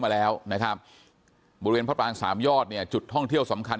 มาแล้วนะครับบริเวณพระปรางสามยอดเนี่ยจุดท่องเที่ยวสำคัญ